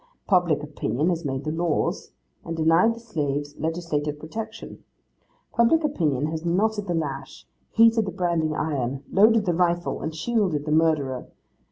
Public opinion has made the laws, and denied the slaves legislative protection. Public opinion has knotted the lash, heated the branding iron, loaded the rifle, and shielded the murderer.